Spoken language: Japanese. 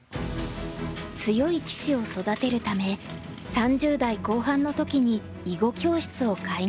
強い棋士を育てるため３０代後半の時に囲碁教室を開業。